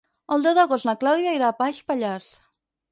El deu d'agost na Clàudia irà a Baix Pallars.